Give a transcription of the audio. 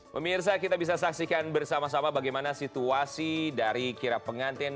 pemirsa kita bisa saksikan bersama sama bagaimana situasi dari kira pengantin